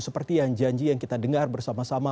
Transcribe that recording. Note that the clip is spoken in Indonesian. seperti yang janji yang kita dengar bersama sama